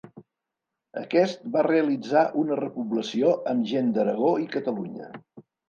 Aquest va realitzar una repoblació amb gent d'Aragó i Catalunya.